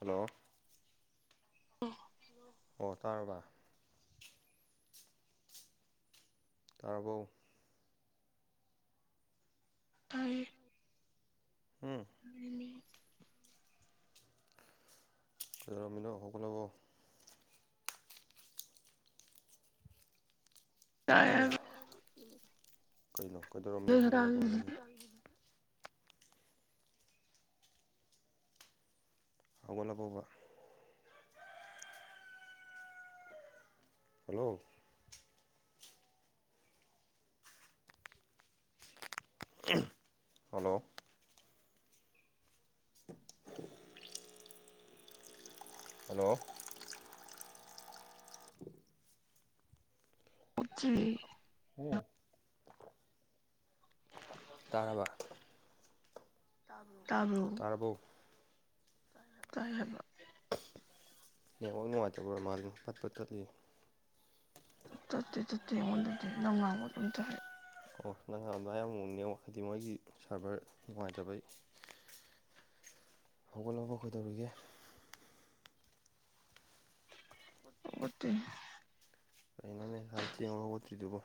Hello ꯎꯝ ꯑꯣ ꯇꯥꯔꯕ ꯇꯥꯔꯕꯣ ꯇꯥꯏꯌꯦ ꯎꯝ [unintelligible] ꯀꯩꯗꯧꯔꯝꯃꯤꯅꯣ ꯍꯧꯒꯠꯂꯕꯣ ꯇꯥꯏꯌꯦ ꯀꯩꯅꯣ ꯀꯩꯗꯧꯔꯝꯃꯤꯅꯣ ꯍꯧꯒꯠꯂꯕ ꯍꯥꯏꯕꯅꯤ ꯍꯧꯒꯠꯂꯕꯣꯕ ꯍꯜꯂꯣ ꯍꯜꯂꯣ [unintelligible] ꯍꯜꯂꯣ ꯎꯠꯇꯔꯤ ꯎꯝ ꯇꯥꯔꯕ ꯇꯕ꯭ꯔꯣ ꯇꯕ꯭ꯔꯣ ꯇꯥꯔꯕꯣ ꯇꯥꯏ ꯍꯥꯏꯕ ꯅꯦꯠꯋꯥꯛ ꯅꯨꯉꯥꯏꯇꯕ ꯑꯣꯏ ꯃꯥꯜꯂꯦ ꯄꯠ ꯄꯠ ꯇꯠꯂꯦ ꯇꯠꯇꯦ ꯇꯠꯇꯦ ꯑꯩꯉꯣꯟꯗꯥꯗꯤ ꯅꯪ ꯉꯥꯡꯕ ꯑꯗꯨꯝ ꯇꯥꯏ ꯑꯣ ꯅꯪꯝꯗ ꯌꯥꯝ ꯃꯨꯛꯅꯤ ꯋꯥꯈꯩꯗꯤ ꯃꯣꯏꯒꯤ ꯁꯥꯔꯚꯔ ꯅꯨꯡꯉꯥꯏꯇꯕꯩ ꯍꯧꯒꯠꯂꯕ ꯀꯣꯏꯗꯧꯔꯤꯒꯦ ꯑꯣꯠꯇ ꯀꯩꯅꯣꯅꯦ ꯏꯁꯝ ꯊꯦꯡꯉꯕ ꯍꯧꯠꯇ꯭ꯔꯤꯗꯨꯕꯣ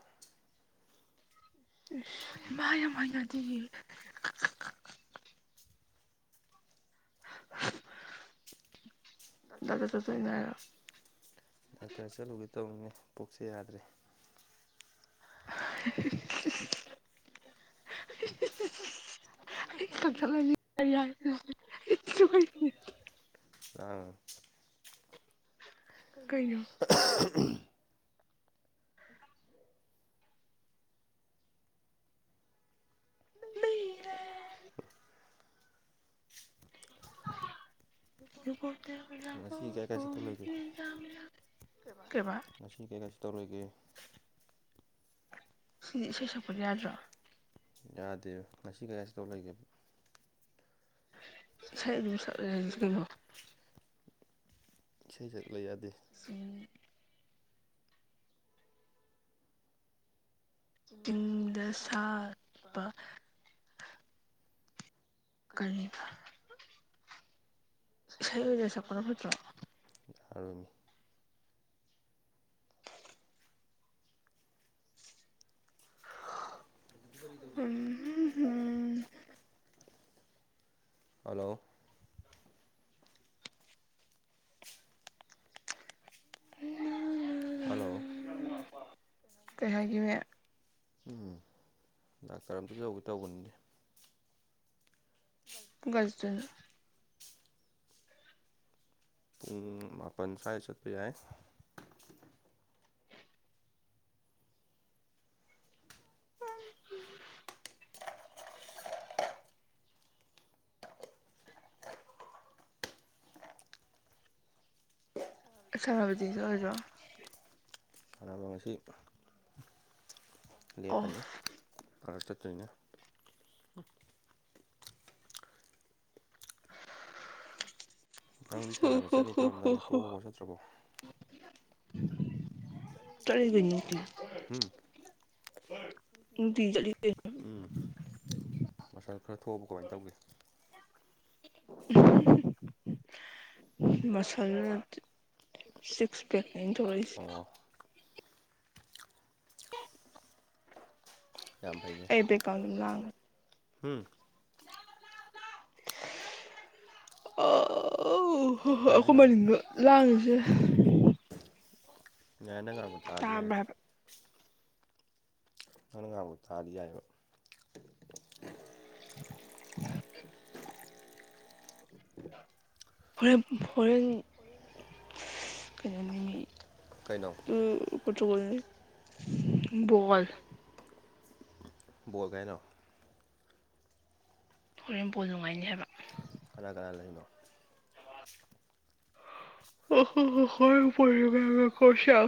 ꯃꯌꯥ ꯃꯗꯤ ꯗꯗ ꯆꯁꯨꯅꯔ ꯗꯥꯛꯇꯔ ꯆꯠꯂꯨꯒꯦ ꯇꯧꯔꯤꯅꯦ ꯄꯣꯛꯁꯦ ꯌꯥꯗ꯭ꯔꯦ [unintelligible] ꯀꯊꯂꯅꯤ ꯑꯩ ꯌꯥ ꯑ ꯀꯩꯅꯣ ꯃ ꯣꯠꯇ ꯏꯖꯗ ꯀꯕ ꯉꯁꯤ ꯀꯩꯀꯁꯤ ꯇꯧꯔꯣꯏꯒꯦ ꯁꯤꯗꯤ ꯁꯤ ꯁꯄꯠ ꯌꯥꯗ꯭ꯔꯣ ꯌꯥꯗꯦꯕ ꯉꯁꯤ ꯀꯌꯥꯁꯤ ꯇꯧ ꯂꯩꯒꯦꯕ ꯁ ꯑꯗꯨ ꯀꯩꯅꯣ ꯏꯁꯩ ꯁꯛ ꯂꯩ ꯌꯥꯗꯦ ꯁ ꯆꯤꯡꯗ ꯁꯥꯕ ꯀꯔꯤꯕ ꯌꯥꯥꯔꯅꯤ ꯎꯝ ꯍꯜꯂꯣ ꯀꯩ ꯍꯥꯏꯒꯤꯅꯦ ꯎꯝ ꯗꯥꯛꯇꯔ ꯑꯝꯇ ꯌꯧꯒꯦ ꯇꯧꯕꯅꯤꯗꯤ ꯁꯗꯨꯅ ꯎꯝ ꯄꯟꯈꯥꯏ ꯆꯠꯄ ꯌꯥꯏ ꯍ ꯐꯔꯕꯗꯤꯁꯨ ꯑꯣꯏꯗꯔꯣ ꯑꯣ ꯉꯁꯤ ꯂꯄ ꯐꯔ ꯆꯠꯇꯅ ꯈꯤꯇꯪꯗꯤ ꯁꯥꯟꯅꯕ ꯆꯠꯅꯤ ꯇꯧꯔꯝꯗꯅꯦ ꯇꯣꯛꯍꯕꯣ ꯆꯠꯇ꯭ꯔꯕꯣ ꯇꯔꯤ ꯀꯅꯤ ꯎꯝ ꯍꯤꯟꯗꯤ ꯆꯂꯤꯗ ꯎꯝ ꯃꯁꯥ ꯈꯔ ꯊꯣꯛꯑꯕ ꯀꯃꯥꯏꯅ ꯇꯧꯒꯦ ꯃꯁꯜꯅ ꯁꯤꯛꯁ ꯄꯦꯛ ꯑꯩꯅ ꯇꯧꯔꯛꯏꯁ ꯑꯣ ꯌꯥꯝꯐꯩꯅꯦ ꯑꯦꯕ ꯀꯥꯎꯅꯤꯡꯂ ꯎꯝ ꯑꯣ ꯍꯣꯏ ꯍꯣꯏ ꯑꯩꯈꯣꯏ ꯃꯅꯤꯡꯡꯗꯣ ꯂꯥꯡꯉꯤꯁꯦ ꯉꯥꯏ ꯅꯪ ꯉꯥꯡꯕ ꯇꯥꯗꯤ ꯍꯥꯏꯅ ꯅꯪꯅ ꯉꯥꯡꯕ ꯇꯥꯗꯤ ꯌꯥꯏꯑꯕ ꯐꯣꯔꯦꯟ ꯐꯣꯔꯦꯟ ꯀꯩꯅꯣꯅꯤ ꯀꯩꯅꯣ ꯄꯅꯤ ꯕꯥꯜ ꯕꯣꯒꯥꯏꯅꯣ ꯍꯣꯔꯦꯟꯄꯣꯠ ꯅꯨꯡꯉꯥꯏꯅꯤ ꯍꯥꯏꯕ ꯀꯅꯥꯥ ꯀꯅꯥꯥ ꯂꯩꯅꯣ ꯑꯣ ꯍꯣ ꯍ ꯍꯔ ꯄꯨ ꯀ ꯆ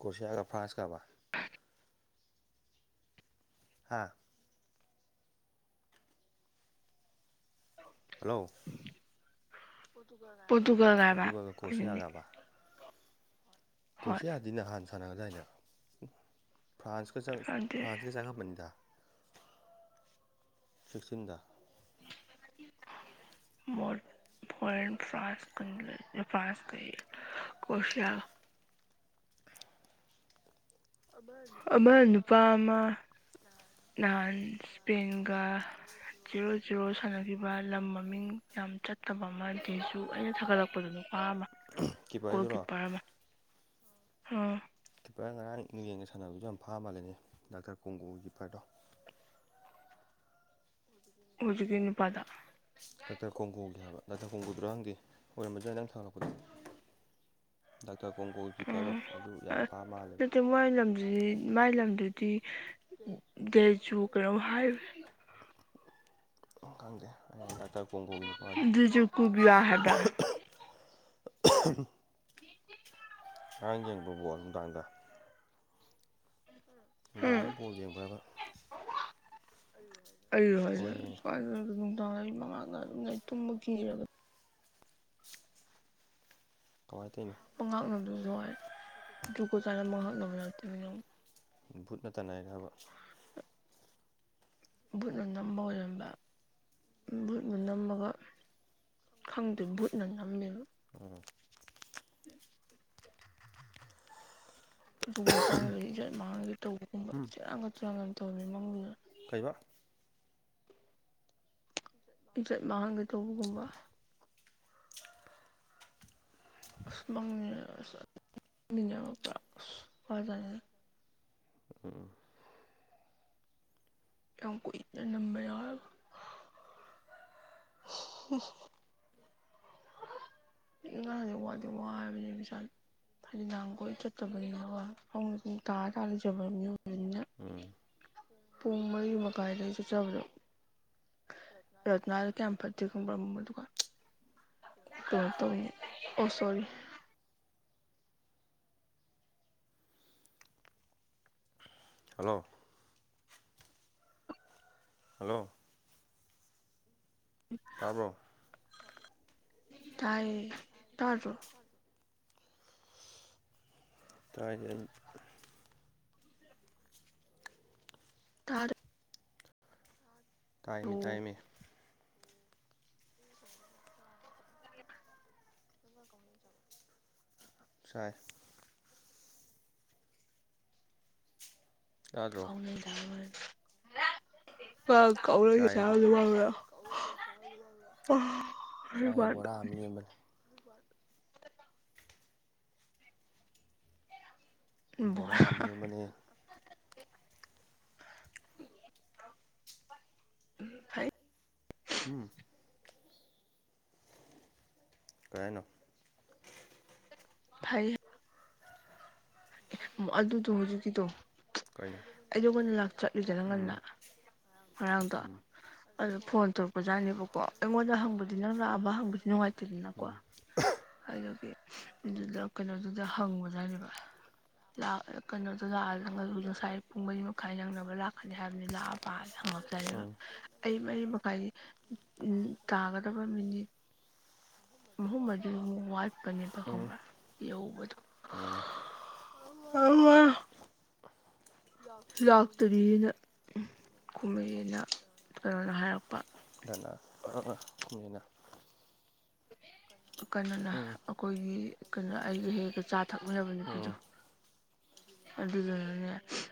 ꯀꯁꯤꯌꯥ ꯀ ꯐꯥꯁ ꯀꯕꯕꯥ ꯍꯥꯥ ꯍꯜꯂꯣ ꯄꯣꯔꯇꯨꯒꯜꯒ ꯍꯥꯏꯕ ꯄꯣꯔꯇꯨꯒꯜꯒ ꯀ꯭ꯔꯣꯁꯤꯌꯥꯒꯕ ꯀꯣꯔꯁꯤꯌꯥꯗꯤ ꯅꯍꯥꯟ ꯁꯥꯟꯅꯒꯔꯗꯥꯏꯅꯦ ꯎꯝ ꯐ꯭ꯔꯥꯟꯁꯀ ꯆꯪ ꯐ꯭ꯔꯥꯟꯁꯀ ꯆꯪꯉꯃꯅꯤꯗ꯫ ꯁꯤꯛꯁꯇꯤꯟꯗ [inaudible] ꯃꯣꯔꯠ ꯐꯣꯔꯦꯟ ꯐ꯭ꯔꯥꯟꯁꯀꯅꯤ ꯂꯩꯔꯤꯖꯦ ꯐ꯭ꯔꯥꯟꯁꯀ ꯑꯦ ꯀꯣꯔꯁꯤꯌꯥꯒ ꯑꯃ ꯅꯨꯄꯥ ꯑꯃ ꯅꯍꯥꯟ ꯁ꯭ꯄꯦꯟꯒꯥ ꯖꯤꯔꯣ ꯖꯤꯔꯣ ꯁꯥꯟꯅꯈꯤꯕ ꯂꯝ ꯃꯃꯤꯡ ꯌꯥꯝ ꯆꯠꯇꯕ ꯑꯃꯗꯤꯁꯨ ꯑꯩꯅ ꯊꯥꯒꯠꯂꯛꯄꯗꯣ ꯅꯨꯄꯥ ꯑꯃ ꯒꯣꯜ ꯀꯤꯞꯄꯔ ꯑꯃ ꯍ ꯀꯤꯞꯄꯔ ꯉꯔꯥꯡ ꯏꯪꯂꯦꯟꯒ ꯁꯥꯟꯅꯕꯖꯨ ꯌꯥꯝ ꯐꯥ ꯃꯥꯜꯂꯦꯅꯤ ꯗꯥꯛꯇꯔ ꯀꯣꯡꯒꯣꯒꯤ ꯀꯤꯞꯄꯔꯗꯣ꯫ ꯍꯨꯖꯤꯛꯀꯤ ꯅꯨꯄꯥꯗꯣ ꯗꯥꯛꯇꯔ ꯀꯣꯡꯒꯣꯒꯤ ꯍꯥꯏꯕ ꯗꯥꯛꯇꯔ ꯀꯣꯡꯒꯣꯗꯨꯔꯥ ꯈꯪꯗꯦ ꯑꯣꯏꯔꯝꯕꯖꯨ ꯌꯥꯏ ꯅꯪ ꯊꯥꯡꯒꯠꯂꯛꯄꯗꯣ꯫ ꯗꯥꯛꯇꯔ ꯀꯣꯡꯒꯣꯒꯤ ꯀꯤꯞꯄꯔꯗꯣ ꯑꯗꯨ ꯌꯥꯝ ꯐꯥ ꯃꯥꯜꯂꯦꯕ꯫ ꯃꯥꯏ ꯂꯝꯖꯤꯗꯤ ꯃꯥꯏ ꯂꯝꯗꯨꯗꯤ [inaudible] ꯈꯪꯗꯦ ꯑꯩꯅ ꯍꯥꯏꯅ ꯗꯥꯛꯇꯔ ꯀꯣꯡꯒꯣꯒꯤꯅ [inaudible] ꯉꯔꯥꯡ ꯌꯦꯡꯕ꯭ꯔꯣ ꯕꯣꯜ ꯅꯨꯡꯗꯥꯡꯗꯥ ꯅꯨꯡꯗꯥꯡꯗ ꯕꯣꯜ ꯌꯦꯡꯕ꯭ꯔꯥꯕ ꯑꯩ [unintelligible] ꯅꯨꯡꯗꯥꯡ ꯑꯩ ꯃꯉꯥꯛꯅ ꯑꯗꯨꯝ ꯂꯩ ꯇꯨꯝꯕ ꯀꯤꯔꯒ ꯀꯃꯥꯏ ꯇꯧꯏꯅꯣ ꯃꯉꯥꯛꯅꯕꯗꯨ ꯖꯨꯒꯣꯠ ꯆꯥꯅ ꯃꯉꯥꯛꯅꯕ ꯅꯠꯇꯦꯃꯦ ꯅꯪꯕꯣ ꯚꯨꯠꯅ ꯇꯥꯟꯅꯩꯔꯕ ꯕꯨꯨꯠꯅ ꯅꯝꯕ ꯑꯣꯏꯔꯝꯕ ꯕꯨꯠꯅ ꯅꯝꯃꯒ ꯈꯪꯗꯣꯏ ꯚꯨꯠꯅ ꯉꯝꯃꯦꯕ ꯑꯣ ꯖꯨꯒꯣꯠ ꯆꯥꯗꯕ ꯏꯖꯠ ꯃꯥꯡꯍꯟꯒꯦ ꯇꯧꯕꯒꯨꯝꯕ ꯍꯝ ꯁꯦꯔꯥꯟꯒ ꯇꯨꯔꯥꯟꯒꯅꯤ ꯇꯧꯔꯝꯃꯤꯕ ꯃꯪꯗꯨꯗ ꯀꯩꯕ ꯏꯖꯠ ꯃꯥꯡꯍꯟꯒꯦ ꯇꯧꯕꯒꯨꯝꯕ ꯑꯁ ꯃꯪꯅꯦꯅ [unintelligible] ꯄꯨꯔꯥ ꯑꯁ ꯋꯥꯖꯥꯠꯅꯤꯗ ꯎꯝ ꯌꯥꯝ ꯀꯨꯏꯅ ꯅꯝꯕ ꯌꯥꯎꯌꯦꯕ [unintelligible] ꯑꯩ ꯉꯥꯔꯥꯡꯖꯦ ꯋꯥꯗꯤ ꯋꯥꯔꯕꯅꯦꯕ ꯏꯁꯥꯖꯦ ꯍꯥꯏꯗꯤ ꯅꯍꯥꯟꯒꯣꯏ ꯆꯠꯇꯕꯅꯤꯅꯀꯣ ꯐꯃꯨꯡꯗ ꯁꯨꯝ ꯇꯥꯔ ꯇꯥꯔ ꯂꯩꯖꯕ ꯃꯤ ꯑꯣꯏꯕꯅꯤꯅ ꯎꯝ ꯄꯨꯡ ꯃꯔꯤ ꯃꯈꯥꯏꯗꯩ ꯆꯠꯆꯕꯗꯣ ꯔꯠꯇꯅꯥꯗꯣ ꯀꯌꯥꯝ ꯐꯠꯇꯦ ꯈꯪꯕꯔ [unintelligible] [unintelligible] ꯑꯣ ꯁꯣꯔꯤ ꯍꯜꯂꯣ ꯍꯜꯂꯣ [unintelligible] ꯇꯥꯕ꯭ꯔꯣ ꯇꯥꯏꯌꯦ ꯇꯥꯗ꯭ꯔꯣ ꯇꯥꯢ [inaudible] ꯇꯥꯏꯃꯦ ꯇꯥꯏꯃꯦ ꯆꯥꯏ [inaudible] ꯀꯧꯁꯔ ꯑꯗꯨꯃ [inaudible] ꯕ [inaudible] ꯕꯣꯔꯥ ꯑꯝ ꯂꯦꯝꯕꯅꯦ ꯎꯝ ꯍꯥꯏ [inaudible] ꯎꯝ ꯀꯩ ꯍꯥꯢꯅꯣ ꯐꯩ ꯑꯗꯨꯗꯣ ꯍꯧꯖꯤꯛꯀꯤꯗꯣ ꯑꯩꯗꯣ ꯉꯟꯅ ꯆꯠꯂꯤꯗꯅ ꯉꯟꯅ ꯉꯔꯥꯡꯗꯣ ꯑꯗꯨꯗꯣ ꯐꯣꯟ ꯇꯧꯔꯛꯄꯖꯥꯠꯅꯦꯕꯀꯣ ꯑꯩꯉꯣꯟꯗ ꯍꯪꯕꯗꯤ ꯂꯥꯛꯑꯝꯃꯒ ꯍꯪꯕꯗꯤ ꯅꯨꯡꯉꯥꯏꯇꯦꯗꯅꯀꯣ ꯑꯗꯨꯒꯤ ꯑꯗꯨꯗ ꯀꯩꯅꯣꯗꯨꯗ ꯍꯪꯕꯅꯦ ꯍꯥꯢꯔꯤꯕ ꯀꯩꯅꯣꯗꯣ ꯂꯥꯛꯑ ꯉꯁꯥꯏ ꯄꯨꯡ ꯃꯔꯤ ꯃꯈꯥꯏ ꯅꯪꯅꯕ ꯂꯥꯛꯀꯅꯤ ꯍꯥꯏꯕꯅꯤ ꯂꯥꯛꯑꯕ ꯍꯪꯉꯥꯛꯕꯖꯠꯅꯤ ꯑꯩ ꯃꯔꯤ ꯃꯈꯥꯏ ꯇꯥꯒꯗꯕ ꯃꯤꯅꯤꯠ ꯃꯍꯨꯝ ꯃꯔꯤ ꯃꯨꯛ ꯋꯥꯠꯄꯅꯦꯕ ꯈꯪꯕ꯭ꯔꯥ ꯌꯧꯕꯗꯣ ꯎꯝ ꯂꯥꯛꯇꯔꯤꯅ ꯈꯨꯝꯂꯩꯑꯦꯅ ꯀꯩꯅꯣꯅ ꯍꯥꯏꯔꯛꯄ ꯗꯥꯟꯅꯥ ꯀꯃꯅ [inaudible] ꯀꯩꯅꯣꯅ ꯑꯩꯈꯣꯏꯒꯤ ꯀꯩꯅꯣ ꯑꯩꯒ ꯍꯦꯛ ꯍꯦꯛ ꯆꯥ ꯊꯛꯃꯤꯟꯅꯕ ꯅꯨꯄꯤꯗꯣ ꯑꯗꯨꯗꯨꯅꯅꯦ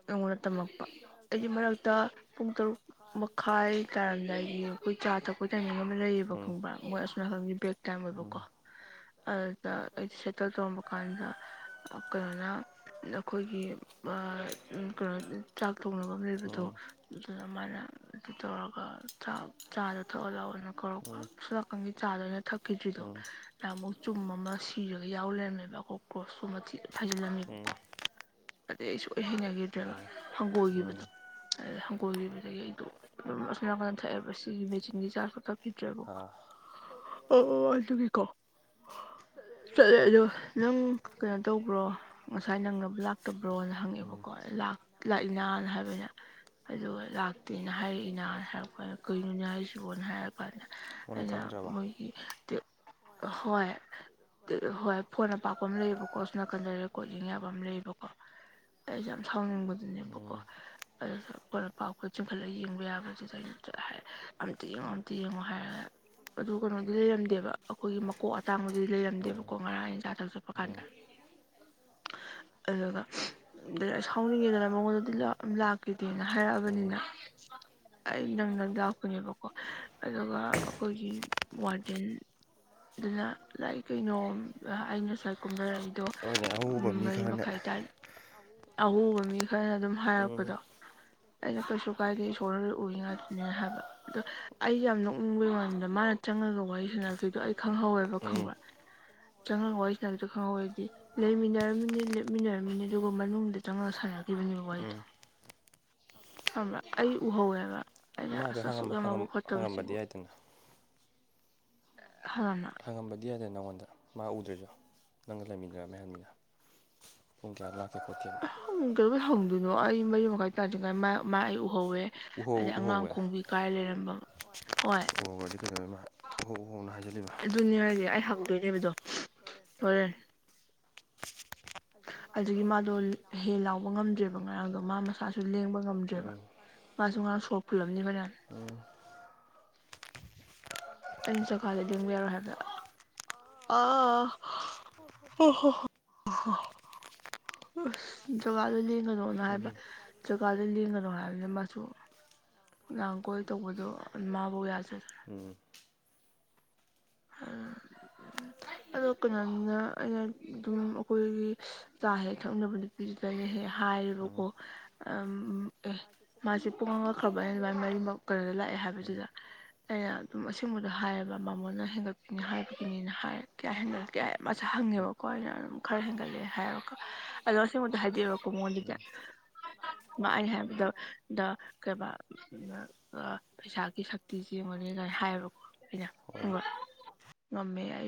ꯑꯩꯉꯣꯟꯗ ꯇꯝꯃꯛꯄ ꯑꯩꯒꯤ ꯃꯔꯛꯇ ꯄꯨꯡ ꯇꯔꯨꯛ ꯃꯈꯥꯏ ꯇꯥꯔꯝꯗꯥꯏꯗꯒꯤ ꯑꯩꯈꯣꯏ ꯆꯥ ꯊꯛꯄꯒꯤ ꯇꯥꯏꯃꯤꯡ ꯑꯃ ꯂꯩꯌꯦꯕ ꯈꯪꯕ꯭ꯔꯥ ꯃꯣꯏ ꯑꯁ ꯅꯥꯀꯜꯒꯤ ꯕ꯭ꯔꯦꯛ ꯇꯥꯏꯝ ꯑꯣꯏꯕ ꯀꯣ ꯑꯗꯨꯗ ꯑꯩꯁ ꯁꯦꯇꯜ ꯇꯧꯔꯝꯕ ꯀꯥꯟꯗ ꯀꯩꯅꯣꯅ ꯑꯩꯈꯣꯏꯒꯤ ꯀꯩꯅꯣ ꯆꯥꯛ ꯊꯣꯡꯅꯕ ꯂꯩꯕꯗꯣ ꯑꯗꯨꯅ ꯃꯥꯥꯅ ꯑꯗꯨ ꯇꯧꯔꯒ ꯆꯥꯛ ꯆꯥꯗ ꯊꯛꯑꯣ ꯂꯥꯛꯑꯅ ꯀꯧꯔꯛꯄ ꯁꯣꯝ ꯅꯒꯥꯟꯒꯤ ꯆꯥ ꯑꯩꯅ ꯊꯛꯈꯤꯗ꯭ꯔꯤꯗꯣ ꯅꯍꯥꯟꯃꯨꯛ ꯆꯨꯝ ꯑꯃ ꯁꯤꯔꯒ ꯌꯥꯎ ꯂꯩꯔꯝꯃꯦꯕ ꯀꯣꯀ꯭ꯔꯣꯁꯒꯨꯝꯕꯩ ꯃꯊꯤ ꯐꯩꯖꯤꯜꯂꯝꯃꯦꯕꯀꯣ ꯑꯗꯩ ꯑꯩ ꯁꯨꯡꯍꯩ ꯍꯩꯅꯈꯤꯗ꯭ꯔꯦꯕ ꯍꯪꯒꯣꯏꯈꯤꯕꯗꯣ ꯑꯗꯩ ꯍꯪꯒꯣꯜꯒꯤꯕꯗꯒꯤ ꯑꯩꯗꯣ ꯑꯁꯣꯝ ꯅꯒꯥꯜꯗ ꯊꯛꯑꯦꯕ ꯑꯁꯤꯒꯤ ꯃꯦꯆꯤꯟꯒꯤ ꯆꯥ ꯦ ꯊꯛꯈꯤꯗ꯭ꯔꯦꯕ ꯑꯥ ꯑꯣ ꯑ ꯇꯒꯤ ꯀꯣ [inaudible] ꯆꯠꯂꯦ ꯑꯗꯣ ꯅꯪ ꯀꯩꯅꯣ ꯇꯧꯕ꯭ꯔꯣ ꯉꯁꯥꯏ ꯅꯪꯅ ꯂꯧꯕ ꯂꯥꯛꯇꯕ꯭ꯔꯣꯅ ꯍꯪꯉꯦꯕꯀꯣ ꯂꯥꯛꯏꯅꯥ ꯍꯥꯏꯕ ꯑꯩꯅ ꯑꯗꯨꯒ ꯂꯥꯛꯇꯦꯅ ꯍꯥꯏꯔꯛꯏꯅꯥ ꯍꯥꯏꯔꯛꯄ ꯀꯩꯅꯣꯅ ꯍꯥꯏꯁꯤꯕꯣꯅ ꯍꯥꯏꯔꯛꯄ ꯑꯗ ꯑꯩꯅ ꯍꯣꯢ ꯍꯣꯏ ꯐꯣꯟ ꯄꯥꯛꯄ ꯑꯃ ꯂꯩꯌꯦꯕꯀꯣ ꯑꯁꯣꯝ ꯅꯥꯀꯟꯗ ꯔꯦꯀꯣꯔꯗꯤꯡ ꯌꯥꯕ ꯑꯃ ꯂꯩꯌꯦꯕꯀꯣ ꯑꯩꯁꯦ ꯌꯥꯝ ꯁꯥꯎꯅꯤꯡꯕꯗꯨꯅꯦꯕꯀꯣ ꯑꯗꯨꯗ ꯑꯩꯈꯣꯏ ꯄꯥꯎ ꯆꯤꯡꯈꯠꯂꯒ ꯌꯦꯡꯕ ꯌꯥꯕꯁꯤꯗ ꯑꯩꯅ ꯍꯥꯏꯔ ꯑꯥꯟꯇꯤ ꯌꯦꯡꯉꯣ ꯑꯥꯟꯇꯤ ꯌꯦꯡꯉꯣ ꯍꯥꯏꯔꯒ ꯑꯗꯨ ꯀꯩꯅꯣꯗꯤ ꯂꯩꯔꯝꯗꯦꯕ ꯑꯩꯈꯣꯏꯒꯤ ꯃꯀꯣꯛ ꯑꯇꯥꯡꯕꯗꯨꯗꯤ ꯂꯩꯔꯝꯗꯦꯕꯀꯣ ꯉꯔꯥꯡ ꯑꯩꯅ ꯆꯥꯥ ꯊꯥꯛ ꯆꯠꯄ ꯀꯥꯟꯗ ꯍ [inaudible] ꯑꯗꯨꯒ ꯑꯩ ꯁꯥꯎꯅꯤꯡꯉꯦꯗꯅ ꯃꯉꯣꯟꯗꯗꯤ ꯂꯥꯛꯈꯤꯗꯦꯅ ꯍꯥꯏꯔꯛꯑꯕꯅꯤꯅ ꯑꯩ ꯅꯪ ꯅꯪ ꯂꯥꯛꯄꯅꯦꯕꯀꯣ ꯑꯗꯨꯒ ꯑꯩꯈꯣꯏꯒꯤ ꯋꯥꯔꯗꯦꯟ ꯑꯗꯨꯅ ꯂꯥꯏ ꯀꯩꯅꯣ ꯑꯩꯅ ꯉꯁꯥꯏ ꯀꯨꯝꯅꯔꯛꯏꯗꯣ ꯑꯗꯨꯅ ꯑꯎꯕ ꯃꯤ ꯈꯔꯅ ꯑꯎꯕ ꯃꯤ ꯈꯔꯅ ꯑꯗꯨꯝ ꯍꯥꯏꯔꯛꯄꯗꯣ ꯑꯩꯅ ꯀꯩꯁꯨ ꯀꯥꯏꯗꯦ ꯏꯁꯣꯔꯅ ꯎꯔꯤ ꯉꯥꯛꯇꯅꯦ ꯍꯥꯏꯕ ꯗꯣ ꯑꯩꯁꯦ ꯌꯥꯝ ꯅꯣꯛꯅꯤꯡꯕꯒꯤ ꯋꯅꯤꯗ ꯃꯥꯅ ꯆꯪꯉꯒ ꯋꯥꯔꯤ ꯁꯥꯟꯅꯈ꯭ꯔꯤꯗꯣ ꯑꯩ ꯈꯪꯍꯧꯋꯦꯕ ꯈꯪꯕ꯭ꯔꯥ ꯆꯪꯉꯛꯑꯒ ꯋꯔꯤ ꯁꯥꯟꯅꯩꯗꯣ ꯈꯪꯍꯧꯋꯦꯗꯤ ꯂꯩꯃꯤꯟꯅꯔꯝꯃꯤꯅꯤ ꯂꯦꯞꯃꯤꯟꯅꯔꯝꯃꯤꯅꯤ ꯑꯗꯨꯒ ꯃꯅꯨꯡꯗ ꯆꯪꯉꯒ ꯁꯥꯟꯅꯈꯤꯕꯅꯦꯕ ꯋꯥꯔꯤꯗꯣ ꯈꯪꯕ꯭ꯔꯥ ꯑꯩ ꯎꯍꯧꯋꯦꯕ ꯃꯥ ꯍꯥꯏꯐꯦꯠ ꯍꯪꯉꯝꯕ ꯍꯪꯉꯝꯕꯗꯤ ꯌꯥꯏꯗꯅ ꯍꯥ ꯍꯪꯉꯝꯕꯗꯤ ꯌꯥꯗꯅ ꯅꯪꯉꯣꯟꯗ ꯃꯥ ꯎꯗ꯭ꯔꯁꯨ ꯅꯪꯒ ꯂꯩꯃꯤꯟꯅꯔꯝꯃꯦ ꯍꯥꯏꯕꯅꯤꯅ ꯎꯗ꯭ꯔꯥꯒ ꯀꯩꯗꯧꯒꯦ ꯍꯪ ꯀꯩꯗꯩꯕꯩ ꯍꯪꯗꯨꯏꯅꯣ ꯑꯩ ꯃꯔꯤ ꯃꯈꯥꯏ ꯇꯥꯗ꯭ꯔꯤꯉꯥꯏ ꯃꯥꯏ ꯃꯥ ꯑꯩ ꯎꯍꯧꯋꯦ ꯑꯗꯩ ꯑꯉꯥꯡ ꯈꯣꯡꯕꯤ ꯀꯥꯏ ꯂꯩꯔꯝꯕ ꯑꯣ ꯑꯗꯨ ꯀꯩꯗꯧꯕꯩ ꯃꯥ ꯎꯍꯧ ꯎꯍꯧꯅ ꯍꯥꯏꯖꯜꯂꯤꯕ ꯑꯗꯨꯅꯤ ꯍꯥꯏꯖꯦ ꯑꯩ ꯍꯪꯗꯣꯏꯅꯦꯕꯗꯣ ꯍꯣꯔꯦꯟ ꯑꯗꯨꯒꯤ ꯃꯥꯗꯣ ꯍꯦ ꯂꯥꯎꯕ ꯉꯝꯗ꯭ꯔꯦꯕ ꯉꯔꯥꯡꯗꯣ ꯃꯥ ꯃꯁꯥꯁꯨ ꯂꯦꯡꯕ ꯉꯝꯗ꯭ꯔꯦꯕ ꯃꯥꯁꯨ ꯉꯔꯥꯡ ꯁꯣꯔ ꯄꯨꯨꯜꯂꯝꯅꯤ [unintelligible] ꯑꯥ ꯑꯩ [unintelligible] ꯌꯥꯔꯣꯏ ꯍꯥꯏꯕ ꯑꯥ [unintelligible] ꯑꯍꯥ ꯑꯁ ꯖꯒꯥꯗ ꯂꯦꯡꯒꯅꯣꯅ ꯍꯥꯏꯕ ꯖꯒꯥꯗ ꯂꯦꯡꯒꯅꯣ ꯍꯥꯏꯕꯗ ꯃꯥꯁꯨ ꯅꯥꯥꯡ ꯀꯣꯏ ꯇꯧꯕꯗꯣ ꯃꯥꯕꯧ ꯌꯥꯗ꯭ꯔꯦꯗ ꯎꯝ ꯑꯥ ꯎꯝ ꯑꯗꯣ ꯀꯩꯅꯣꯅꯤꯅ ꯑꯩꯅ ꯑꯗꯨꯝ ꯑꯩꯈꯣꯏꯒꯤ ꯆꯥ ꯍꯦꯛ ꯊꯛꯃꯤꯟꯅꯕ ꯅꯨꯄꯤꯗꯨꯅ ꯍꯦꯛ ꯍꯦꯛ ꯍꯥꯏꯌꯦꯕꯀꯣ ꯑꯥ ꯎꯝ ꯑꯦ ꯃꯥꯁꯦ ꯄꯨꯡꯉꯛꯈ꯭ꯔꯕ ꯑꯩꯅ ꯗꯨꯃꯥꯏ ꯃꯔꯤꯃꯛ ꯀꯩꯅꯣꯗ ꯂꯥꯛꯑꯦ ꯍꯥꯏꯕꯗꯨꯗ ꯑꯩꯅ ꯑꯗꯨꯝ ꯑꯁꯦꯡꯕꯗꯣ ꯍꯥꯏꯌꯦꯕ ꯃꯃꯣꯅ ꯍꯦꯟꯒꯠꯄꯅꯤ ꯍꯥꯏꯕꯒꯤꯅꯤꯅ ꯍꯥꯏ ꯀꯩ ꯍꯥꯏꯅꯣ ꯀꯌꯥ ꯃꯁꯦ ꯍꯪꯉꯦꯕꯀꯣ ꯑꯩꯅ ꯑꯗꯨꯝ ꯈꯔ ꯍꯦꯟꯒꯠꯂꯦ ꯍꯥꯏꯌꯦ ꯑꯗꯣ ꯑꯁꯦꯡꯕꯗꯣ ꯍꯥꯏꯗꯦꯕ ꯃꯉꯣꯟꯗꯗꯤ ꯃꯥ ꯑꯩꯅ ꯍꯥꯏꯕꯗ ꯗꯥ ꯀꯩꯕ [unintelligible] ꯄꯩꯁꯥꯒꯤ ꯁꯛꯇꯤꯁꯦ ꯌꯦꯡꯉꯣꯅꯦ ꯀꯥꯏꯅ ꯍꯥꯏꯌꯦꯕꯀꯣ ꯑꯩꯅ ꯉꯝꯃꯦ ꯌꯥꯏꯕ